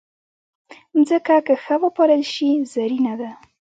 مځکه که ښه وپالل شي، زرینه ده.